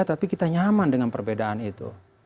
tapi kita nyaman dengan perbedaan itu